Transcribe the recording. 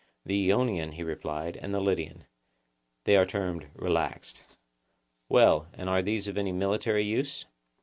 The Ionian, he replied, and the Lydian; they are termed 'relaxed.' Well, and are these of any military use?